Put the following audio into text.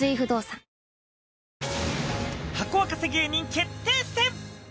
ハコ沸かせ芸人決定戦。